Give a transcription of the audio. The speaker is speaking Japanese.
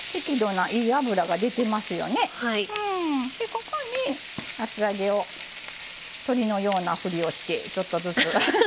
ここに厚揚げを鶏のようなふりをしてちょっとずつ。